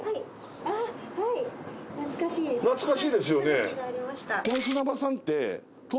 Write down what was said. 懐かしいですよね。